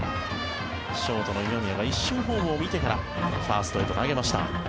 ショートの今宮が一瞬ホームを見てからファーストへと投げました。